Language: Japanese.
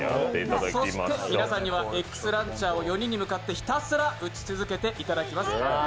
そして皆さんには「Ｘランチャー」を４人に向けてひたすら撃ち続けていただきます。